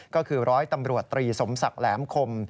ก็คือร้อยตำรวจตรีสมศักดิ์แหลมคม